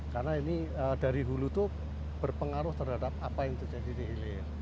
karena ini dari hulu itu berpengaruh terhadap apa yang terjadi di hilir